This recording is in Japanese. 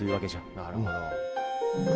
なるほど。